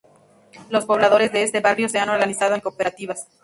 Los pobladores de este barrio se han organizado en cooperativas.